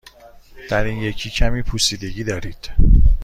در این یکی کمی پوسیدگی دارید.